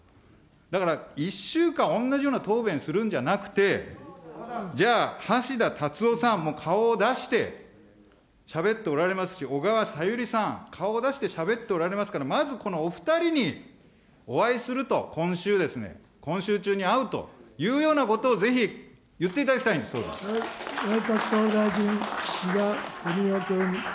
だから１週間同じような答弁するんじゃなくて、じゃあ、橋田達夫さん、もう顔を出して、しゃべっておられますし、小川さゆりさん、顔を出してしゃべっておられますから、まずこのお２人にお会いすると、今週ですね、今週中に会うというようなことをぜひ言っていただきたいんです、内閣総理大臣、岸田文雄君。